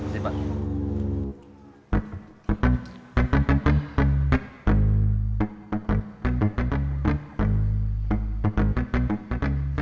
terima kasih pak